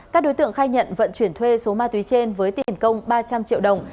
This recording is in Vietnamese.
các đối tượng khai nhận vận chuyển thuê số ma túy trên với tiền công ba trăm linh triệu đồng